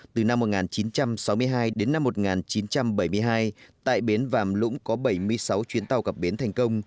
từ năm một nghìn chín trăm sáu mươi hai đến năm một nghìn chín trăm bảy mươi hai tại bến vàm lũng có bảy mươi sáu chuyến tàu gặp bến thành công